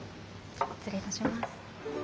失礼いたします。